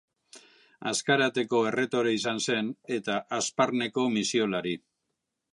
Azkarateko erretore izan zen, eta Hazparneko misiolari.